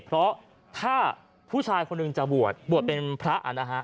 เพราะถ้าผู้ชายคนหนึ่งจะบวชบวชเป็นพระนะฮะ